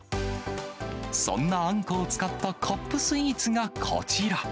そんなあんこを使ったカップスイーツがこちら。